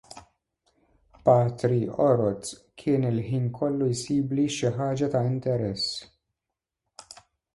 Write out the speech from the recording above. Patri Oroz kien il-ħin kollu jsibli xi ħaġa ta' interess.